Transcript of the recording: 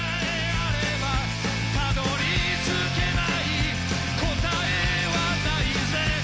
「たどり着けない答えはないぜ」